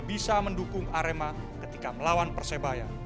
bisa mendukung arema ketika melawan persebaya